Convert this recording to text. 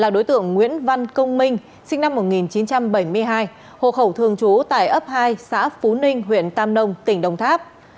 đối tượng nguyễn văn công minh sinh năm một nghìn chín trăm bảy mươi hai hộ khẩu thường trú tại ấp hai xã phú ninh huyện tam nông tỉnh đồng tháp